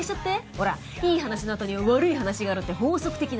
ほらいい話のあとには悪い話があるって法則的な。